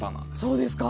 そうですね。